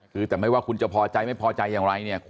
คือแต่ไม่ว่าคุณจะพอใจไม่พอใจอย่างไรเนี่ย